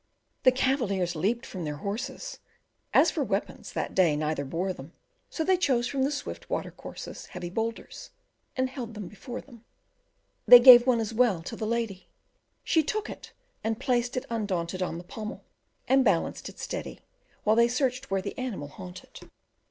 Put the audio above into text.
The cavaliers leaped from their horses; As for weapons, that day neither bore them; So they chose from the swift watercourses Heavy boulders, and held them before them. They gave one as well to the lady: She took it, and placed it undaunted On the pommel, and balanced it steady, While they searched where the animal haunted.